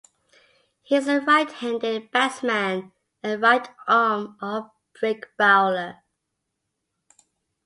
He is a right-handed batsman and right-arm offbreak bowler.